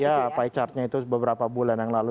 ya pie chartnya itu beberapa bulan yang lalu